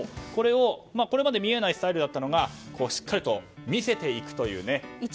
これまで見えないスタイルだったのがしっかりと見せていくというね。